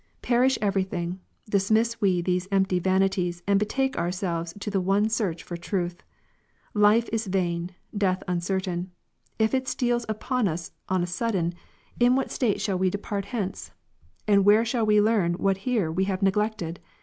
19. " Perish every thing, dismiss we these empty vanities, and betake ourselves to the one search for truth ! Life is vain, death uncertain; if it steals upon uson a sudden, inwhat state shall we depart hence ? and where shall we learn what here we have neglected